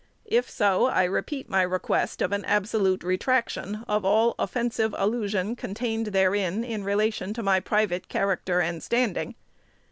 If so, I repeat my request of an absolute retraction of all offensive allusion contained therein in relation to my private character and standing.